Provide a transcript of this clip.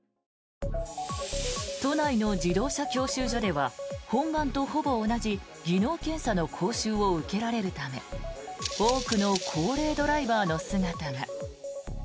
都内の自動車教習所では本番とほぼ同じ技能検査の講習を受けられるため多くの高齢ドライバーの姿が。